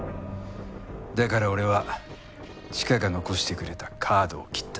だから俺はチカが残してくれたカードを切った。